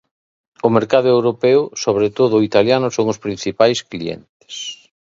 O mercado europeo, sobre todo o italiano, son os principais clientes.